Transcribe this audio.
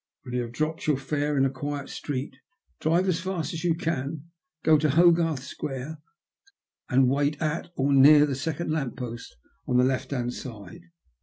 When you have dropped your fare in a quiet street, drive as fast as yon can go to Hogarth Square, and wait at, or near, the second lamp post on the left hand side.